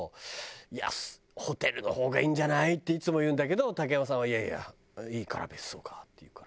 「いやホテルの方がいいんじゃない？」っていつも言うんだけど竹山さんは「いやいやいいから別荘が」って言うから。